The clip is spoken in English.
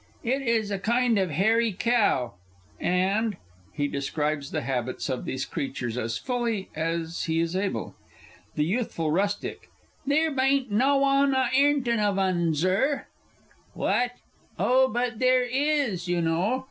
It is a kind of hairy cow, and (He describes the habits of these creatures as fully as he is able.) (THE YOUTHFUL RUSTIC. "Theer baint nawone a erntin' of 'un, Zur.") What? Oh, but there is, you know.